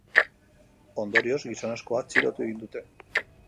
Ondorioz, gizonezkoa atxilotu egin dute.